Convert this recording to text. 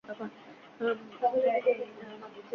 তাহলে ধুবো কেমনে?